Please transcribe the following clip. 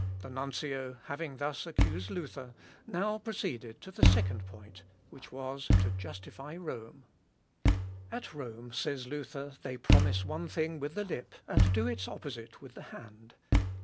The nuncio, having thus accused Luther, now proceeded to the second point, which was to justify Rome. "At Rome," says Luther, "they promise one thing with the lip and do its opposite with the hand.